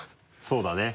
そうだね。